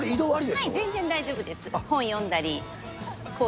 全然大丈夫です。